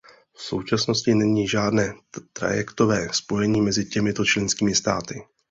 V současnosti není žádné trajektové spojení mezi těmito členskými státy.